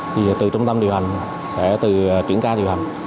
thì từ trung tâm điều hành sẽ từ chuyển ca điều hành